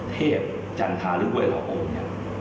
เทพจัญชาหรือเวลาคนเนี่ย